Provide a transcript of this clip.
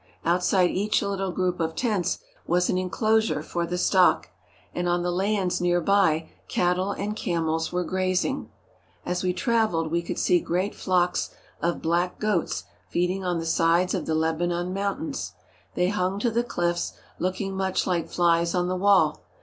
Outside each little group of tents was an inclosure for the stock, and on the lands near by cat tle and camels were grazing. As we travelled we could see great flocks of black goats feeding on the sides of the Lebanon Mountains. They hung to the cliffs, looking much like flies on the wall.